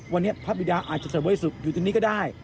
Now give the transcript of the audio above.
วันนี้พระบิดาอาจจะเสริมบริสุทธิ์อยู่ตรงนี้ก็ได้